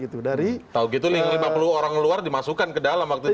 tahu gitu lima puluh orang luar dimasukkan ke dalam